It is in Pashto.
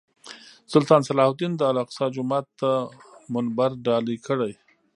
سلطان صلاح الدین د الاقصی جومات ته منبر ډالۍ کړی.